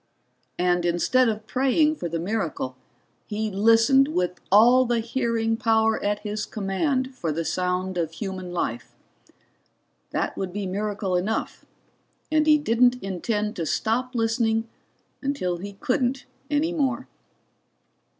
And instead of praying for the miracle, he listened with all the hearing power at his command for the sound of human life. That would be miracle enough, and he didn't intend to stop listening until he couldn't any more.